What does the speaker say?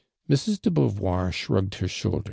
Mrs. de Beauvoir shrugged her shoulder>.